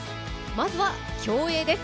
まずは、競泳です。